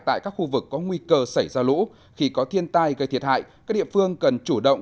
tại các khu vực có nguy cơ xảy ra lũ khi có thiên tai gây thiệt hại các địa phương cần chủ động